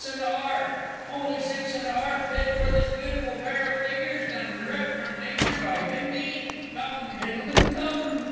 And a 'arf! Only six and a 'arf bid for this beautiful pair of figures, done direct from nature by Bimbi. Come, Gentlemen, come!